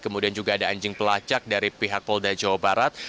kemudian juga ada anjing pelacak dari pihak polda jawa barat